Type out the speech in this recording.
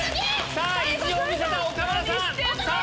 さぁ意地を見せた岡村さん。